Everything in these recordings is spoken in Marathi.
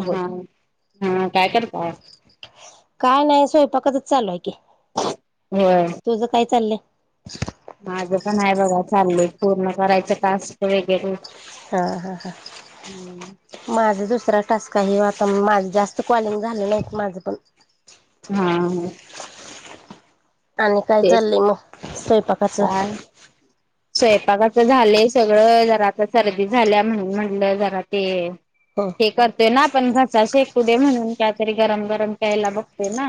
हा हा काय करताय? काय नाही स्वयंपाकाचच चालूए कि, होय तुझ काय चाललंय? माझं पण हाय बघा चाललंय, पूर्ण करायच टास्क वगैरे हा हा हा माझा दुसरा टास्क हाय ह्यो आता माझं, जास्त क्वालिंग झालं नाहीत माझं पण हा हा. आणि काय तेच चाललंय मग स्वयंपाकाचं? काय स्वयंपाकाचं झालंय सगळं, जरा आता सर्दी झाल्या म्हणून म्हटलं जरा ते हो हे करतोय ना आपण घसा शेकू दे, म्हणून कायतरी गरम गरम प्यायला बघतोय ना?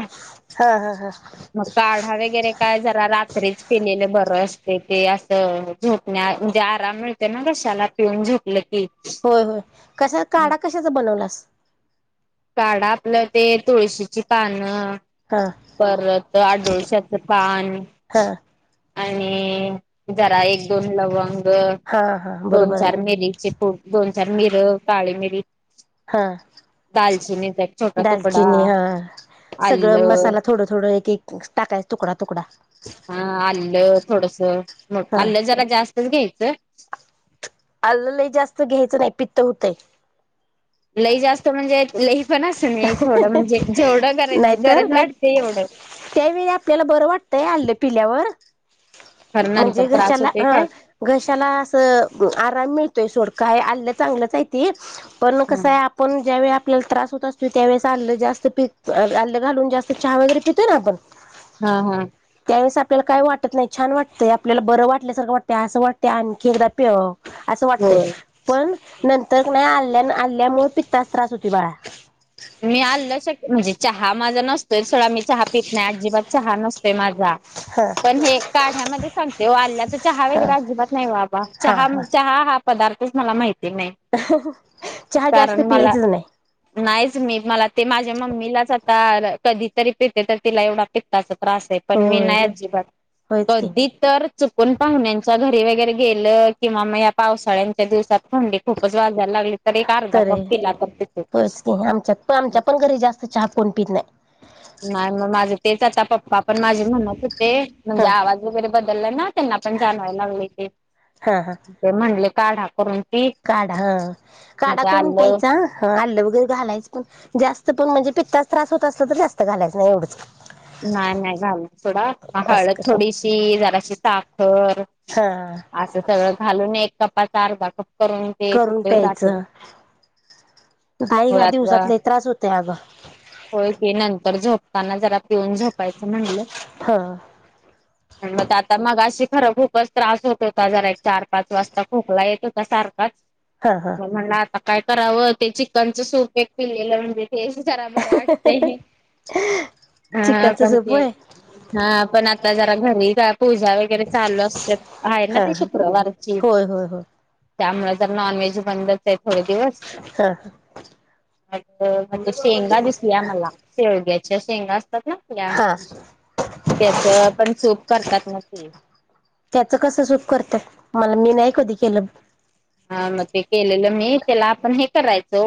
हा हा हा मग काढा वगैरे काय जरा रात्रीच पिलेलं बरं असतय ते अ? झोपण्या म्हणजे आराम मिळते ना घशाला पिऊन झोपलं की. होय. होय. कशा काढा कशाचा बनवलास? काढा आपलं ते तुळशीची पानं, हा परत - - ते आडुळश्याचं पान हा. आणि जरा एक दोन लवंग - हा हा - दोन, बरोबर चार आहे मिरीचे दोन चार मिर, काळी मिरी - - हा. छोटा तुकडा दालचिनी हा. सगळं आलं मसाला थोडं, थोडं एक एक टाकायचं तुकडा, तुकडा हा आलं थोडस, हा आल्लं जरा जास्तच घ्यायचं. आल लई जास्त घ्यायचं नाही. पित्त होतय. लई जास्त म्हणजे लही पण अस नाही, थोडं म्हणजे जेवढं गरज, गरज वाटतेय एवढंच. त्या वेळी आपल्याला बरं वाटतंय आलं पिल्यावर कारण नंतर म्हणजे त्रास घशाला होते ह, काय घशाला अस आराम मिळ- - ते सोड काय आलं चांगलंच आय ती, पण कस हाय आपण ज्या वेळी आपल्याला त्रास त्यावेळेस आलं जास्त पितोय, आलं घालून जास्त चहा वगैरे पितोय ना आपण - - हा, हा. त्या वेळेस आपल्याला काय वाटत नाही, छान वाटतय, आपल्याला बरं वाटल्या सारखं वाटतंय, असं वाटतय आणखी एकदा प्यावं. असं वाटतंय, होय पण नंतर कनी आल्या, आल्यामुळे पित्ताच त्रास होतूय बाळा. मी आल शक्य म्हणजे, चहा माझा नसतोय सोडा, मी चहा पित नाही, अजिबात चहा नसतो तेय माझा. हा पण हे, काढ्यामध्ये चालतोय ओ, आल्याचा चहा हा वगैरे अजिबात नाही वा बाबा, हा चहा, हा चहा हा पदार्थ - - मला माहिती नाही चहा जास्त कारण मला पियाचाच नाही. नाहीच मी, मला ते माझ्या मम्मीलाच आता कधीतरी पिते, तर तिला एवढा पित्ताच त्रास हाय, पण मी होय नाही अजिबात होयच की कधी तर चुकून पाहुण्यांच्या घरी वगैरे- - गेल किंवा म ह्या पावसाळ्यांच्या दिवसात - - थंडी खूपच वाजायला लागली तर, एक अर्धा तर कप पिला तर पितोय. होयच की आमच्यात पण, आमच्या पण घरी जास्त चहा कोण पित नाही. नाही मग माझं, तेच आता पप्पा पण माझे म्हणत हो - - ते म्हणजे हा आवाज वगैरे बदलला ना, त्यांना पण जाणवायला लागलेय ते, हा हा ते म्हणले- - काढा करून पीठ काढा हा, मग काढा ते करून आलं प्यायचा. आलं वगैरे घालायचं, पण जास्त - - पणजे पित्ताचा त्रास होत असला तर जास्त घालायच नाही एवढंच. नाही, नाही घालत सोडा. असं हळद कर थोडीशी, जराशी साखर- हा असं सगळं घालून एक कपाचा अर्धा कप - - करून प्यायचं. काई ह्या होळ्याचा दिवसात लय त्रास होतय अगं. होय की, नंतर झोपताना जरा पिऊन झोपायचं म्हणलं. हां. ह मग आता मगाशी, खरं खूपच त्रास होत होता जरा, एक चार पाच वाजता खोकला येत होता सारखाच - हा हा - म म्हणल आता काय करावं, ते चिकनच सूप एक पिलेलं, म्हणजे ते जरा - - वाटतयं. हा. चिकनचं पण सूप ते, होय हा पण आता जरा घरी पूजा वगैरे चालू असत्यात आहे ना हा ते हा शुक्रवारची. होय होय होय त्यामुळे जर नॉन व्हेज बंदच. य थोडे दिवस हा म शेंगा दिस की आमाला शेवग्याच्या शेंगा- - ल्या, हा त्याच पण सूप करतात ना ते त्याच कसं सुप करत्यात, मला मी नाही कधी केलंऽ हा, मग ते केलेलं मी, त्याला आपण हे करायच ओ,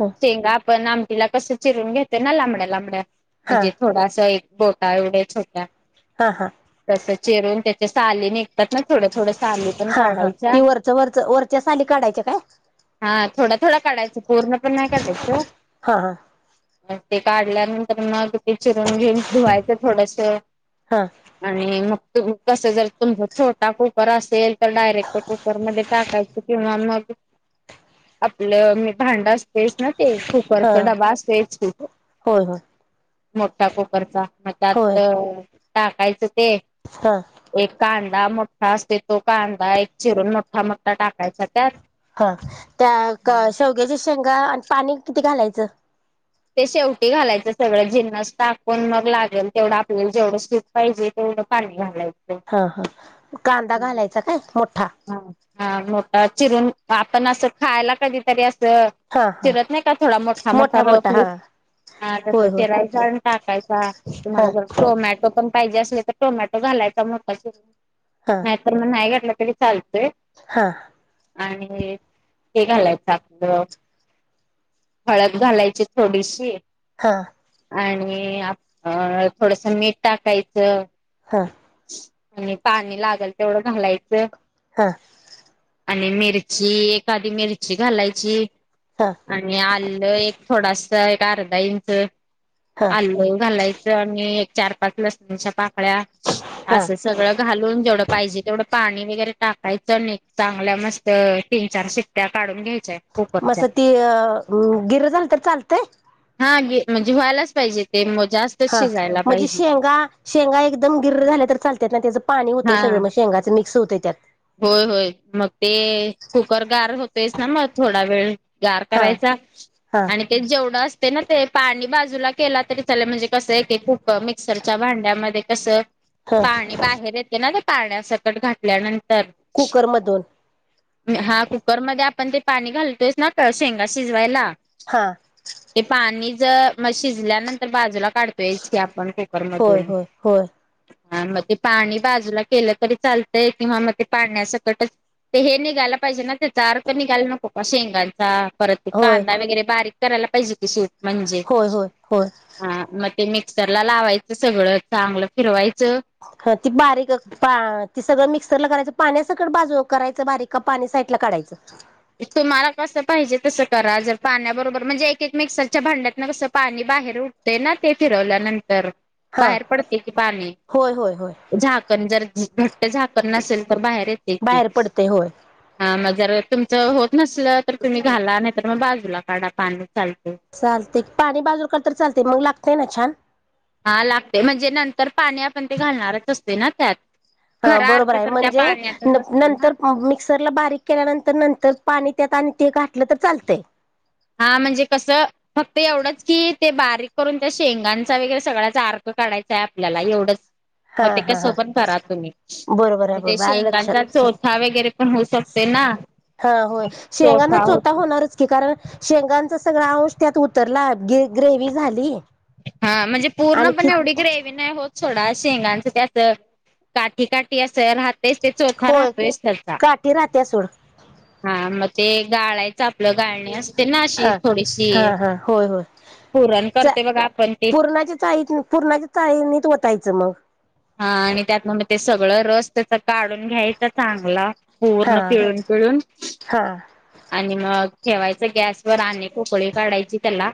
हा शेंगा आपण आमऽ टिला कसं चिरून घेतेय ना,, लांबड्या, लांबड्या हा म्हणजे थोडासा एक बोटा एवढ्या छोट्याऽ हा, हा, चिरून त्याच्या साली निघतात ना, थोड्या थोड्या साली पण काढायच्या. च्या साली काढायच्या काय? हा थोडा, थोडं काढयचं, पूर्ण पण नाही काढयचं. हा हा ते काढल्यानंतर मग ते चिरून घेऊन धुवायचं थोडस हा आणि म कस जर तुम छोटा कुकर असेल तर डायरेक्ट कुकरमध्ये टाकायच किंवा मग आपलं मी भांड असतेस ना ते हा कुकरचा डबा असोच खू होय होय मोठा कुकरचा मग होय त्यात टाकायचं ते हा एक कान कांा मोठा असते तो कांदा एक चिरून मोठा मोठा टाकायचा त्यात हा त्या शेवग्याच्या शेंगा आणि पाणी किती घालायचं ते शेवटी घालायचं सगळं जिन्नस टाकून मग लागेल तेवढं आपल्याला जेवढं सूट पाहिजे तेवढ झालाय हा हा कांदा घालायचा काय मोठा हा हा मोठा चिरून आपण असं खायला कधीतरी असं हा हा चिरत नाही का थोडा मोठा मोठा मोठाो हा ा तस होय होय चिरायचा आणि टाकायचा हा तुम्हाला ज टोमॅटो पण पाहिजे असले तर टोमॅटो घालायचा मोठा श हा नाहीतर मग नाही घटलं तरी चालतोय हा आणि ते घालायचं आपलं हळद घालायची थोडीशी हा आणि थोडस मीठ टाकायचं हा आणि पाणी लागेल तेवढं घालायचं हा आणि मिरची एखादीी मिरची घालायची हा आणि आल्लं एक थोडासा एक अर्धा इंच हा आलू घालायच आणि एक चार पाच लसणीच्या पाकळ्या हा असं सगळं घालून जेवढं पाहिजे तेवढं पाणी वगैरे टाकायचं नाही चांगल्या मस्त तीन चार सित््ट्या काढून घ्याय मस ती अ गिर झाल तररी चालतय हा गे म्हणजे व्हायला हा म्हणजे शेंगा शेंगा एकदम गिर झाल्या तर चालतात ना त्याचं पाणी होतं हा सगळ म शेंगाच मिक्स होतते त्यात होय होय मग ते कुकरगार होतेस ना मग थोडा वेळ गार हा करायचा हा आणि ते जेवढं असते ना ते पाणी बाजूला केला तरी चला म्हणजे कसं आहे क कुक मिक्सरच्या भांड्यामध्ये कसं हा पाणी बाहेर येते ना ते पाण्या सकट घातल्यानंतर कुकरमधून हा कुकरमध्येध्ये आपण ते पाणी घालतोयस ना शेंगा शिजवायला हा ते पाणी ज म शिजल्यानंतर बाजूला काढतो याछ आपण कुकर होय मधून होय होय हा मणज पाणी बाजूला केलं तरी चालतय किंवा म ते पाण्यासकटच ते हे निघायला पाहिजे ना तेचा अारक निघायला नको का शेंगांचा परत होय कांदा वगैरे बारीक करायला पाहिजे की सूट म्हणजे होय होय होय अ मग ते मिक्सर ला लावायचं सगळं चांगलं फिरवायचं ह ती बारीक ती सगळं मिक्स र करायचं पाण्या सकड बाजू करायचं बारीक का पाणी साईडला काढायचं. तुम्हाला कसं पाहिजे तसं करा जर पाण्याबरोबर म्हणजे एक एक मिक्सरच्या भांड्यातन कसं पाणी बाहेर उठते ना ते फिरवल्यानंतर हा बाहेर पडते की पाणी होय होय होय झाकण जर घट्ट झाकण नसेल तर बाहेर येते. बाहेर पडते होय हा मग जर तुमच होत नसल तर तुम्ही घाला नाहीतर मग बाजूला काढा पाणी चालत. चालते पाणी बाजू कर तर चालते मग लागतेय ना छान हा लागते म्हणजे नंतर पाणी आपण ते घालणारच असते ना त्यात हा खरा बरोबर अर्थ आहे तर त्या म्हणजे पाण्यातच असते ना नंतर मिक्सरला बारीक केल्यानंतर नंतर पाणी त्यात आणि ते घाठलं तर चालतं. हा म्हणजे कसं फक्त एवढंच की ते बारीक करून त्या शेंगांचा वगैरे सगळ्याचार कर. काढयंय आपल्याला एवढंच. मग हा ते हा कसं हा पण करा तुम्ही बरोबर आहे मग ते बरोबर आलं शेंगांचा लक्षात चोथा वगैरे पण होऊ शकतो. ना. हा होय शेंगांना चोथा चोता होतो होणारच की कारण शेंगांचा सगळ अंश त्यात उतरला ग ग्रेव झाली. हा म्हणजे पूर्ण पण आणखी एवढी ग्रवी नाही होत ोडा शेंगांचं ते अस काठी काठी अस. राहत ते चौथा होय राहतोयच त्याचा काठी राहत्या सोड हा मग ते गाळायचं आपलं गाळणे असते ना अशी हा थोडीशी हा हा होय होय पुरण चा करते. बघा आपण ते पूर्णाच्या चाळीत पूर्णाच्या चाळीनीत होतायचं मग हा आणि त्यात म मग ते सगळं रस त्याचा काढून घ्यायचा चांगला हा पूर्ण पिळून पिळून हा आणि मग ठेवायच गॅस वर आणि पकळी काढायची त्याला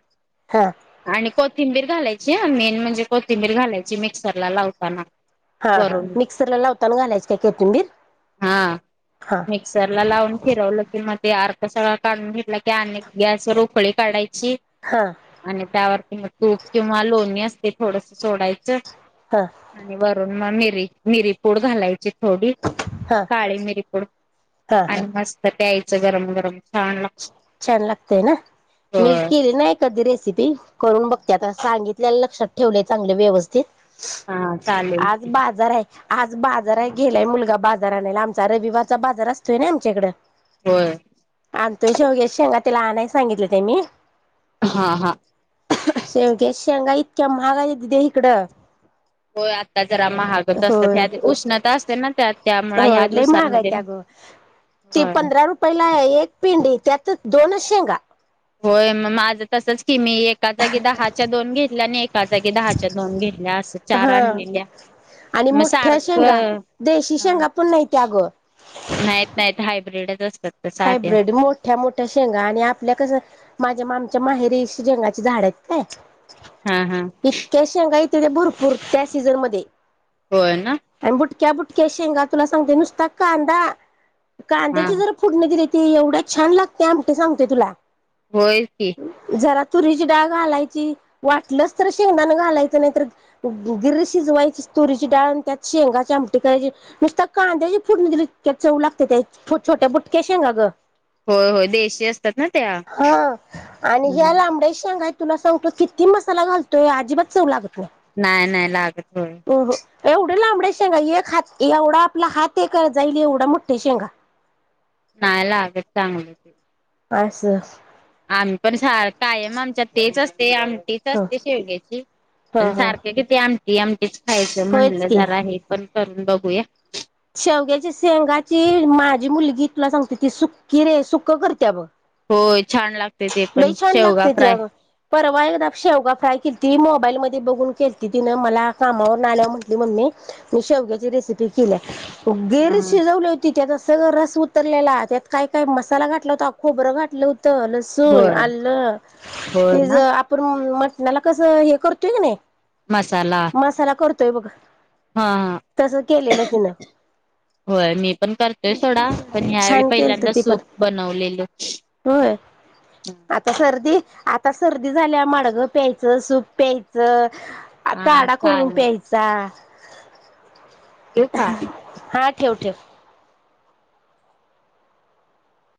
हा आणि कोथिंबीर घालायची मेन म्हणजे कोथिंबीर घालायची मिक्सर लावताना हा हा वरून मिक्सरला लावताना घालायच काय कतिंबीर हा मिक्सर ला लावून फिरवलं की म ते अर्थ सगळा काढून घेतला की अ गॅसवर उकळी काढायची. हा आणि त्यावरतीि तूप किंवा लोणी असते थोडस सोडायचं. हा. आणि वरून मग मिरी मिरी पूड घालायची. थोडी हा काळी मिरीकड हा हा आणि मस्त प्यायचं गरम गरम छान लागत छान लागतय ना मी होय केले ना एधी रेसिपी करून बघते आता सांगितल्या लक्षात ठेवलेय चांगले व्यवस्थित हा चालेल. आज बाजार आहे आज बाजार आहे गेलाय मुलगा बाजार आणायला आमचा रविवारचा बाजार असतोय ना आमच्या इकडं. होय. आणि तो शेवगेांगा तिला आणय सांगितलं ते मी हा हा शेंगग्या शेंगा इतक्या महागायच्या तदे इकडं. हो आता जरा महागत होय असतात उष्णता असते ना त्या त्यामु ह्या दिवसांमध्ये ती होय पंधरा रुपयला आहे एक पिंडी त्यात दोन शेंगा होय मग माझं तसंच. कि मी एका जागी दहाच्या दोन घेतल्या आणि एका जागी दहाच्या दोन घेतल्या असं चार हा आणलेल्या आणि मग मोठ्या शेंगा सारखं देशी हा. शेंगा पण नाही त्या अगं नाहीत नाही हायब्र्रीडच हायब्र्रीड मोठ्या मोठ्या शेंगा आणि आपल्या कसं माझ्या माम माहेरी शेंगाची झाड आहेत काय हा हा इतक्या शेंगा भरपूर त्या सीझन मध्ये होय ना आणि बुटक्या बुट इतक शेंगा तुला सांगते नुसता कांदा हा कांद्याची जर दि ते एवढंच छान लागते आम सांगतेय तुला होय की जरा तुरीची डाळ घालायची, वाटलंच तर शेंगदाण घालायचं नाही तर अ गिर शिजवायची. तुरीची डाळ अन त्यात शेंगाची आमटी करायची, नुसत्या कांद्याची फुडनी इतक्या चव लागत्यात्या इत छोट छोट्या बू क्या शेंगा ग होय होय देशी असतात ना त्या हा आणि ह्या लांबड्या शेंगा तुला सांगतो किती मसाला घालतोय, अजिबात चव लागत नाही नाही लागत, हो एवढ लांबड्या शेंगा एक हात, एवढा आपला मोठ्या एक जाईल एवढा मोठ्या शेंगा नाय लागत चांगलं ते आस आम्ही पण सा कायम आमच्यात तेच असते आम तेच ह असते शेवग्याची ह पण ह सारख किती आमटी आम खायचं होयच म्हणलं की जरा हे पण करून बघूया. शेवग्याची शेंगाची माझी मुलगी तुला सांगते ती सुक्की रे सुकं करत्या ब होय छान लागते ते लई पण छान शेवगा लागते ते फ्राय अग परवाय [unintelligible] शेवगा फ्राय केलती, मोबाईल मधे बघून केलती तिन, मला कामावरन आल्यावर म्हंटली मम्मे अ शेवग्याची रेसिपी केल्या [unintelligible] गिर हम्म शिजवली होती. त्यात सग रस उतरलेला, त्यात काय काय मसाला घाटला होता, खोबरं घातलं हू त लसूण, होय आल्ल होय हे ज ना आपण म नाला कसं हे करतोय की नई मसाला तोय बघ हा हा तस केलेलं तिन [inaudible] होय मी पण करतोय सोडा, पण ह्यावेेळी छान केलत पहिल्यांदा ती सूप बनवलेल. आतास आता सर्दी झाल्या माडगं प्यायचं, सूप प्यायचं. आ हा काढा करून चालेल प्यायचा. येवु का? आ ठेव ठेव